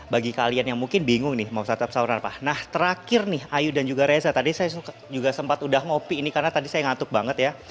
bagi kalian yang mungkin bingung nih mau santap sahur apa nah terakhir nih ayu dan juga reza tadi saya juga sempat udah ngopi ini karena tadi saya ngantuk banget ya